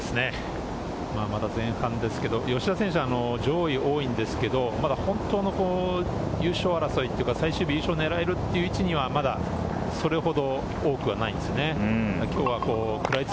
まだ前半ですけれども、吉田選手、上位が多いんですけれど、本当に優勝争いというか、最終日、優勝を狙えるという位置にはまだそれほど多くはないんですよね。